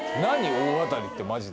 「大当たり」ってマジで。